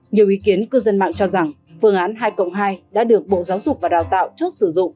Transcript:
nhiều ý kiến cư dân mạng cho rằng phương án hai cộng hai đã được bộ giáo dục và đào tạo chốt sử dụng